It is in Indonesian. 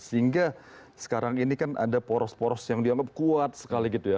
sehingga sekarang ini kan ada poros poros yang dianggap kuat sekali gitu ya